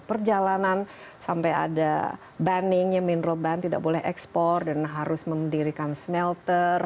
perjalanan sampai ada banningnya mineral ban tidak boleh ekspor dan harus membedirkan smelter